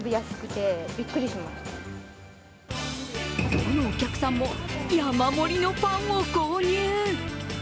どのお客さんも山盛りのパンを購入。